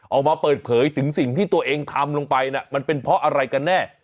ออกมาเปิดเผยถึงสิ่งที่ตัวเองทำลงไปมันเป็นเพราะอะไรกันแน่